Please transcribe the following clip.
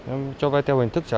em cho vay theo hình thức trả lời